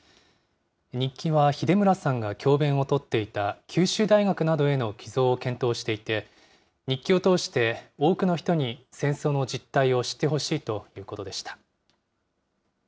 日記は秀村さんが教べんを執っていた九州大学などへの寄贈を検討していて、日記を通して、多くの人に戦争の実態を知ってほし